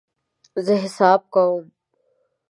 زه حساب کوم